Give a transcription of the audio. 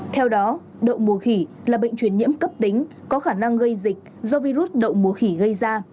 theo đó động mùa khỉ là bệnh chuyển nhiễm cấp tính có khả năng gây dịch do virus động mùa khỉ gây ra